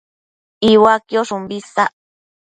Iuaquiosh umbi isac